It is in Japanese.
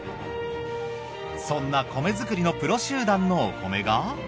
そんな米作りのプロ集団のお米が。